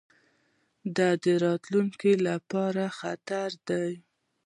دا د راتلونکي لپاره خطر دی.